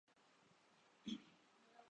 کسی سیاسی سرگرمی پر پابندی نہیں تھی۔